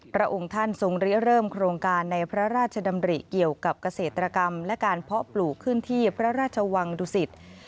พระองค์ท่านทรงเริ่มโครงการในพระราชดำริเกี่ยวกับเกษตรกรรมและการเพาะปลูกขึ้นที่พระราชวังดุสิต